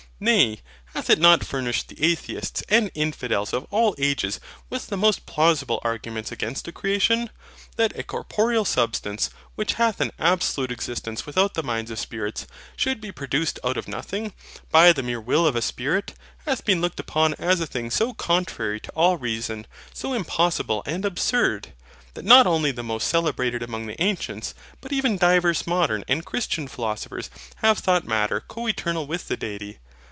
Nay, hath it not furnished the atheists and infidels of all ages with the most plausible arguments against a creation? That a corporeal substance, which hath an absolute existence without the minds of spirits, should be produced out of nothing, by the mere will of a Spirit, hath been looked upon as a thing so contrary to all reason, so impossible and absurd! that not only the most celebrated among the ancients, but even divers modern and Christian philosophers have thought Matter co eternal with the Deity.